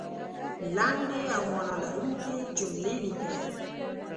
لنډې او معنا لرونکې جملې لیکئ